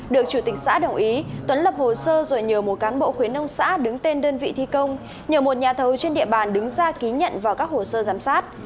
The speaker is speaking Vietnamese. được chủ tịch xã đồng ý tuấn lập hồ sơ rồi nhờ một cán bộ khuyến nông xã đứng tên đơn vị thi công nhờ một nhà thầu trên địa bàn đứng ra ký nhận vào các hồ sơ giám sát